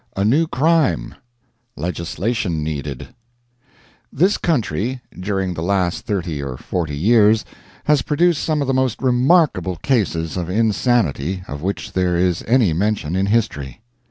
A NEW CRIME LEGISLATION NEEDED This country, during the last thirty or forty years, has produced some of the most remarkable cases of insanity of which there is any mention in history.